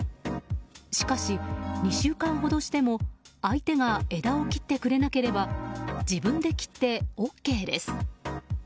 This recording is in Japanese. しかし、２週間ほどしても相手が枝を切ってくれなければ自分で切ってＯＫです。